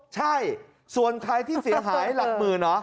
ใช่ส่วนใครที่เสียหายหลักหมื่นเหรอ